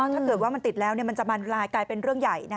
ถ้าเกิดว่ามันติดแล้วมันจะมากลายเป็นเรื่องใหญ่